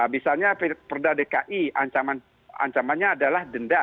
misalnya perda dki ancamannya adalah denda